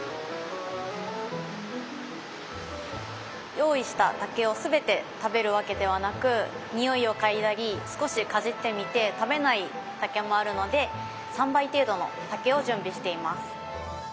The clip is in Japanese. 用意した竹を全て食べるわけではなく匂いを嗅いだり少しかじってみて食べない竹もあるので３倍程度の竹を準備しています。